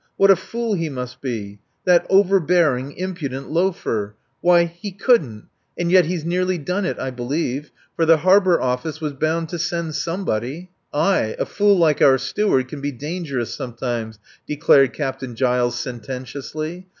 What a fool he must be! That overbearing, impudent loafer! Why! He couldn't. ... And yet he's nearly done it, I believe; for the Harbour Office was bound to send somebody." "Aye. A fool like our Steward can be dangerous sometimes," declared Captain Giles sententiously.